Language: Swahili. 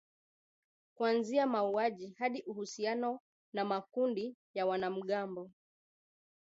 kuanzia mauaji hadi uhusiano na makundi ya wanamgambo